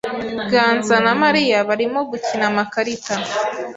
Ganza na Mariya barimo gukina amakarita.